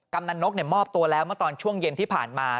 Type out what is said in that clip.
กำนันนกมอบตัวแล้วเมื่อตอนช่วงเย็นที่ผ่านมา